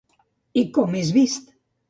I com és vist?